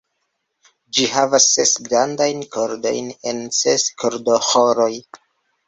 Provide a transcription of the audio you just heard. Ĝi havas ses grandajn kordojn en ses kordoĥoroj.